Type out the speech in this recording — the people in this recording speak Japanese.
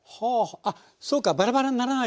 あっそうかバラバラにならないように。